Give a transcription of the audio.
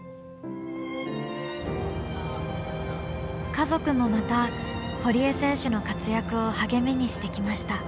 家族もまた堀江選手の活躍を励みにしてきました。